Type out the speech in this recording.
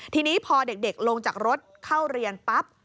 ทีนี้พอเด็กลงจากรถเข้าเรียนปั๊บ